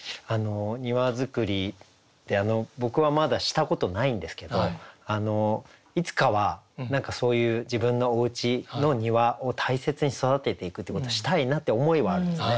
庭造りって僕はまだしたことないんですけどいつかは何かそういう自分のおうちの庭を大切に育てていくってことしたいなって思いはあるんですね。